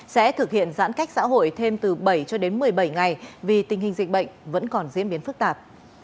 sẽ thực hiện giãn cách xã hội thêm từ bảy cho đến một mươi bảy ngày vì tình hình dịch bệnh vẫn còn diễn biến phức tạp